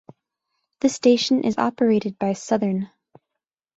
The station is operated by Southern.